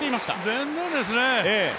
全然ですね。